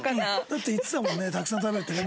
「だって言ってたもんねたくさん食べるってね」